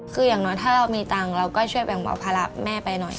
คืออย่างน้อยถ้าเรามีตังค์เราก็ช่วยแบ่งเบาภาระแม่ไปหน่อย